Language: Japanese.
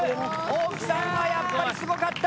大木さんはやっぱりすごかった。